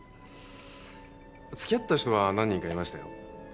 付き合った人は何人かいましたよ。